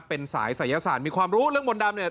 เป็นสายศัยศาสตร์มีความรู้เรื่องมนต์ดำเนี่ย